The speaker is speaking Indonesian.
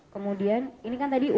kemudian ini kan tadi